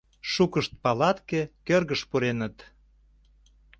Шукышт палатке кӧргыш пуреныт.